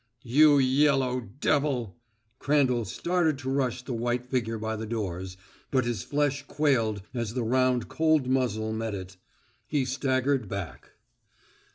"You yellow devil!" Crandall started to rush the white figure by the doors, but his flesh quailed as the round cold muzzle met it. He staggered back.